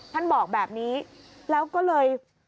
ท่านบอกแบบนี้แล้วก็เลย